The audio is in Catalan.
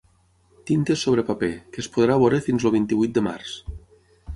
Tintes sobre paper, que es podrà veure fins el vint-i-vuit de març.